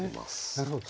なるほど。